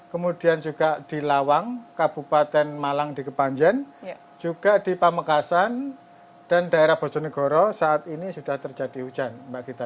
kemudian juga di lawang kabupaten malang di kepanjen juga di pamekasan dan daerah bojonegoro saat ini sudah terjadi hujan mbak gita